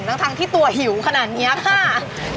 ทั้งที่ตัวหิวขนาดนี้ค่ะ